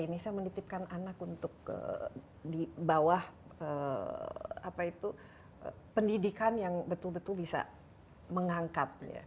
ini saya menitipkan anak untuk di bawah pendidikan yang betul betul bisa mengangkat